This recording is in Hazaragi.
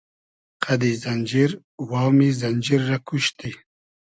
قئدی زئنجیر وامی زئنجیر رۂ کوشتی